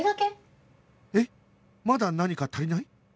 まだ何か足りない？